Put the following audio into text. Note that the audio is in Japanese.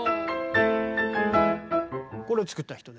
これを作った人で。